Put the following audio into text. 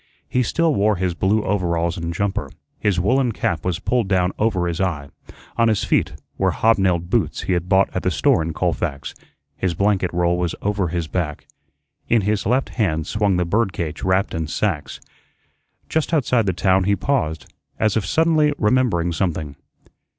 He still wore his blue overalls and jumper; his woollen cap was pulled down over his eye; on his feet were hob nailed boots he had bought at the store in Colfax; his blanket roll was over his back; in his left hand swung the bird cage wrapped in sacks. Just outside the town he paused, as if suddenly remembering something.